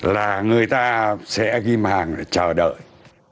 là người ta sẽ ghim hàng để chờ đợi